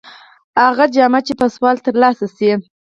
هغه جامه چې په سوال تر لاسه شي.